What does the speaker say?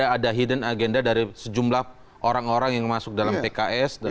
ada hidden agenda dari sejumlah orang orang yang masuk dalam pks